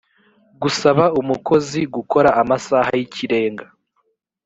gusaba umukozi gukora amasaha y ikirenga